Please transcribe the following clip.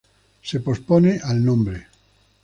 Se pospone al nombre.